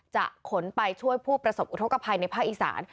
ขนไปช่วยผู้ประสบอุทธกภัยในภาคอีสาน